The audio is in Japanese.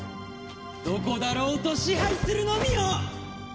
どこだろうと支配するのみよ！